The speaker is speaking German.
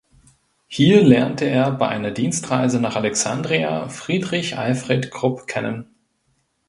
Hier lernte er bei einer Dienstreise nach Alexandria Friedrich Alfred Krupp kennen.